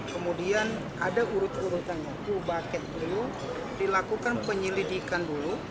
kemudian ada urut urutan buket dulu dilakukan penyelidikan dulu